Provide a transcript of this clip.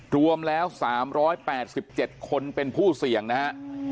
รวมแล้ว๓๘๗คนเป็นผู้เสี่ยงนะฮะ